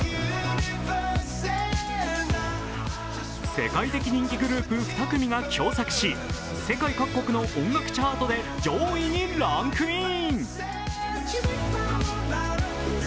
世界的人気グループ２組が共作し世界各国の音楽チャートで上位にランクイン。